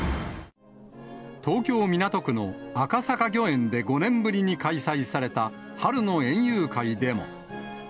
東京・港区の赤坂御苑で５年ぶりに開催された春の園遊会でも。